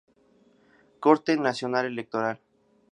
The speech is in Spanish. Corte Nacional Electoral